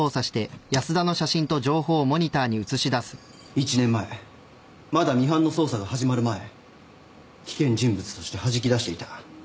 １年前まだミハンの捜査が始まる前危険人物としてはじき出していた。